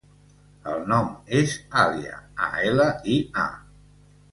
El nom és Alia: a, ela, i, a.